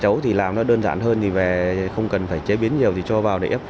trấu thì làm nó đơn giản hơn thì về không cần phải chế biến nhiều thì cho vào để ép